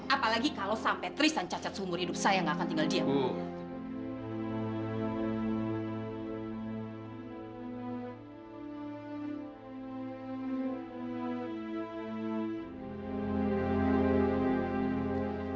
apalagi kalo sampe tristan cacat seumur hidup saya gak akan tinggal diam